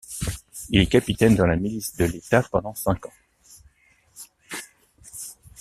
Il est capitaine dans la milice de l'État pendant cinq ans.